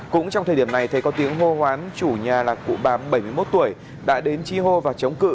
cũng trong thời điểm này thấy có tiếng hô hoán chủ nhà là cụ bà bảy mươi một tuổi đã đến chi hô và chống cự